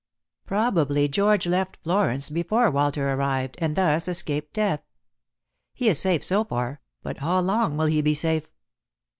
Probably George left Florence before Walter arrived, and thus escaped death. He is safe so far, but how long will he be safe?"